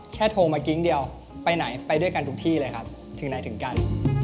โทรมากิ๊งเดียวไปไหนไปด้วยกันทุกที่เลยครับถึงไหนถึงกัน